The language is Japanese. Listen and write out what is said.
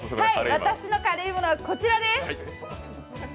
私の軽いものはこちらです。